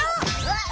わっ！